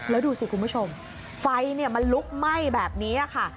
แล้วดูสิคุณผู้ชมไฟมันลุกไหม้แบบนี้ค่ะ